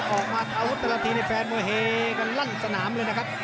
ออกมาอาวุธแต่ละทีในแฟนมือเฮกก็ลั่นสนามเลยนะครับ